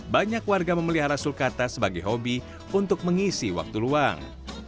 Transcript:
banyak warga memelihara sulkata sebagai hobi untuk mengisi waktu luang